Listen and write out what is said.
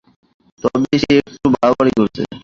তবে সে একটু বাড়াবাড়ি করছে।